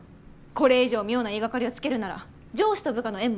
これ以上妙な言いがかりをつけるなら上司と部下の縁も今日限りです。